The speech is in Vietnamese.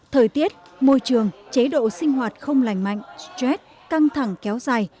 thời tiết môi trường chế độ sinh hoạt không lành mạnh stress căng thẳng kéo dài